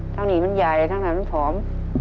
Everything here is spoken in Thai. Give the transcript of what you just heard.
ทางนี้มันใหญ่ทางนี้มันผอม